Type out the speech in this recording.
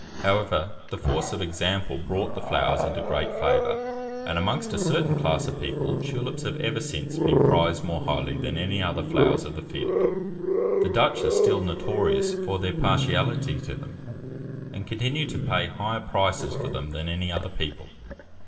However, the force of example brought the flowers into great favour, and amongst a certain class of people tulips have ever since been prized more highly than any other flowers of the field. The Dutch are still notorious for their partiality to them, and continue to pay higher prices for them than any other people.